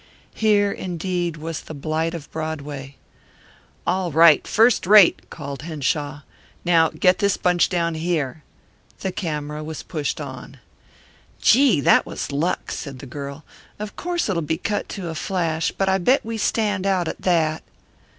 Here, indeed, was the blight of Broadway. "All right, first rate!" called Henshaw. "Now get this bunch down here." The camera was pushed on. "Gee, that was luck!" said the girl. "Of course it'll be cut to a flash, but I bet we stand out, at that."